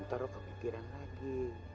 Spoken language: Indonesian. taruh pemikiran lagi